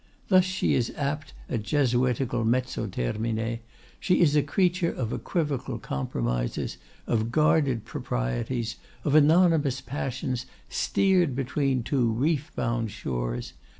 Thus she is apt at Jesuitical mezzo termine, she is a creature of equivocal compromises, of guarded proprieties, of anonymous passions steered between two reef bound shores.